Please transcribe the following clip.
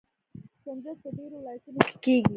سنجد په ډیرو ولایتونو کې کیږي.